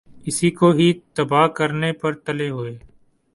اسی کو ہی تباہ کرنے پر تلے ہوۓ ۔